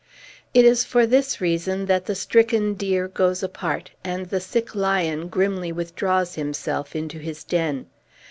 It is for this reason that the stricken deer goes apart, and the sick lion grimly withdraws himself into his den.